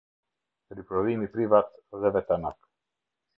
Riprodhimi privat dhe vetanak.